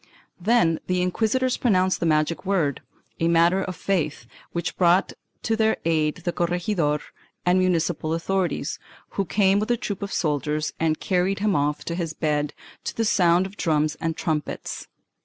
Then the inquisitors pronounced the magic word — a matter of faith — which brought to their aid the corregidor and municipal authorities, who came with a troop of soldiers and carried him off on his bed, to the sound of drums and trumpets.